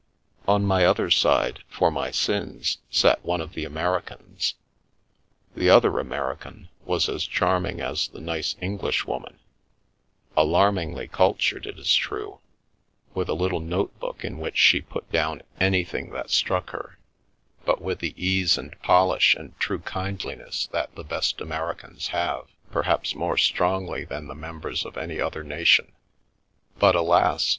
On my other side, for my sins, sat one of the Ameri cans. The other American was as charming as the nice Englishwoman — alarmingly cultured, it is true, with a little notebook in which she put down anything that The Milky Way struck her, but with the ease and polish and true kindli ness that the best Americans have, perhaps, more strongly than the members of any other nation. But, alas